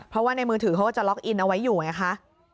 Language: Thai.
เพราะว่าในมือถือเขาก็จะล็อกอินเอาไว้อยู่ไงคะ